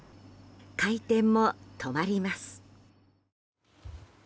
回転も止まります。